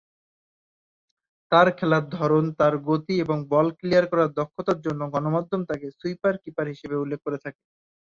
তার খেলার ধরন, তার গতি এবং বল ক্লিয়ার করার দক্ষতার জন্য গণমাধ্যম তাকে "সুইপার-কিপার" হিসেবে উল্লেখ করে থাকে।